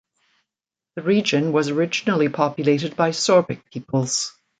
The region was originally populated by Sorbic peoples.